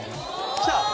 きた？